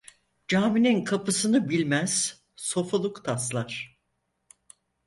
Caminin kapısını bilmez, sofuluk taslar.